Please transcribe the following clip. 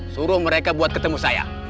suruh mereka buat ketemu saya